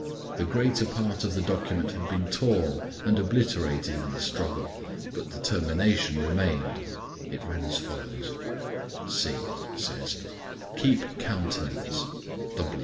The greater part of the document had been torn and obliterated in the struggle, but the termination remained. It ran as follows: C. Says... Keep countenance.